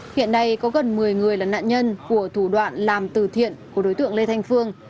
hiện nay có gần một mươi người là nạn nhân của thủ đoạn làm từ thiện của đối tượng lê thanh phương